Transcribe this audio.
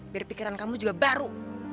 biar pikiran kamu juga baru